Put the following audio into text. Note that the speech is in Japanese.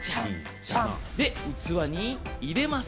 器に入れます。